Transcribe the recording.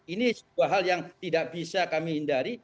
ini sebuah hal yang tidak bisa kami hindari